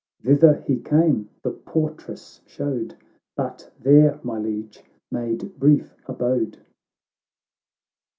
——" Thither he came the portress showed, But there, my Liege, made brief abode."